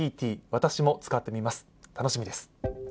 私も使ってみます、楽しみです。